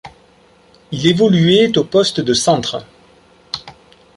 Il évoluait au poste de centre.